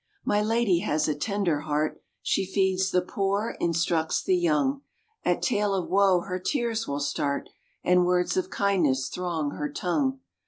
My lady has a tender heart, She feeds the poor, instructs the young, At tale of woe her tears will start, And words of kindness throng her tongue.